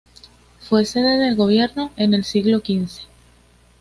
Fue sede del gobierno en el siglo xv.